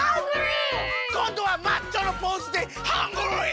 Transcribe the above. こんどはマッチョのポーズでハングリー！